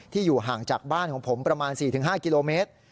อยู่ห่างจากบ้านของผมประมาณ๔๕กิโลเมตร